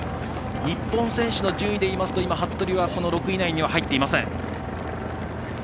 日本選手の順位でいうと服部は６位以内には入っていません。